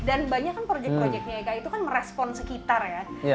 dan banyak kan project projectnya eka itu kan merespon sekitar ya